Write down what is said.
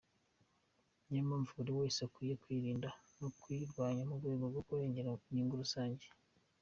Niyo mpamvu buri wese akwiye kuyirinda no kuyirwanya mu rwego rwo kurengera inyungu rusange.